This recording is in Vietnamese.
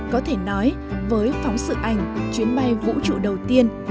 có thể nói với phóng sự ảnh chuyến bay vũ trụ đầu tiên